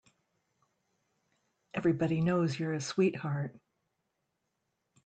Everybody knows you're a sweetheart.